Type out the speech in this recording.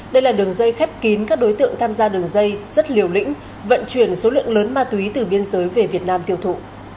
đây là đường dây khép kín các đối tượng tham gia đường dây rất liều lĩnh vận chuyển số lượng lớn ma túy từ biên giới về việt nam tiêu thụ